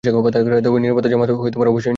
তবে নিরাপত্তার জামানত অবশ্যই নেয়া চাই।